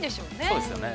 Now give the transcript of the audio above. ◆そうですよね。